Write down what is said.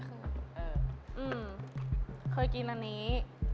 เคยกินอันนี้